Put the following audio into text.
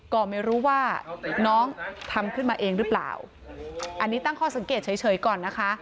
ก็ไม่รู้ว่าน้องทำขึ้นมาเองหรือเปล่าอันนี้ตั้งข้อสังเกตเฉยก่อนนะคะ